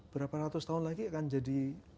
berapa ratus tahun lagi akan jadi